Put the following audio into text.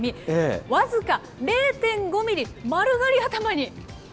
僅か０．５ミリ、丸刈り頭に。